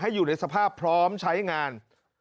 อยู่ในสภาพพร้อมใช้งาน